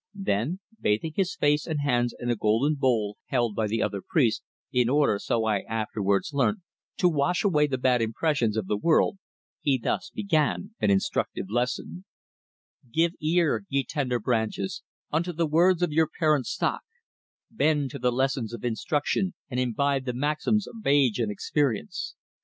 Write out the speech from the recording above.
Then, bathing his face and hands in a golden bowl held by the other priests, in order, so I afterwards learnt, to wash away the bad impressions of the world, he thus began an instructive lesson: "Give ear, ye tender branches, unto the words of your parent stock; bend to the lessons of instruction and imbibe the maxims of age and experience!